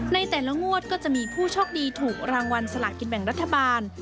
ในแต่ละงวดก็จะมีผู้โชคดีถูกรางวัลสลากินแบ่งรัฐบาล